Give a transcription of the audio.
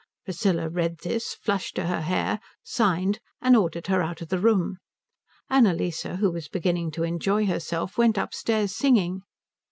Priscilla read this, flushed to her hair, signed, and ordered her out of the room. Annalise, who was beginning to enjoy herself, went upstairs singing.